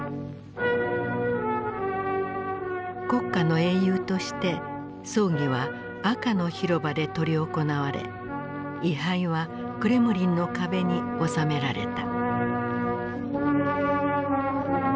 国家の英雄として葬儀は赤の広場で執り行われ遺灰はクレムリンの壁に納められた。